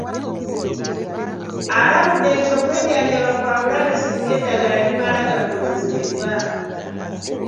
Alabudde nti okwejjanjaba kwa bulabe singa eddagala limala gakozesebwa.